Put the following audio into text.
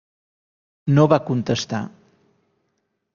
No va contestar.